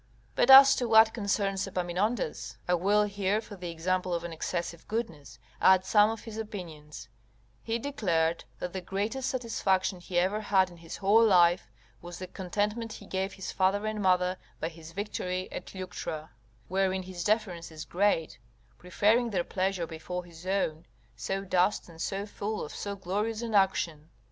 But as to what concerns Epaminondas, I will here, for the example of an excessive goodness, add some of his opinions: he declared, that the greatest satisfaction he ever had in his whole life, was the contentment he gave his father and mother by his victory at Leuctra; wherein his deference is great, preferring their pleasure before his own, so dust and so full of so glorious an action.